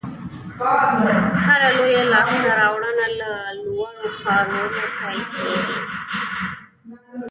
هره لویه لاسته راوړنه له وړو کارونو پیل کېږي.